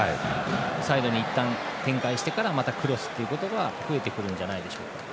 サイドに展開してからまたクロスということが増えてくるんじゃないでしょうか。